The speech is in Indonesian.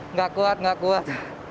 nggak kuat nggak kuat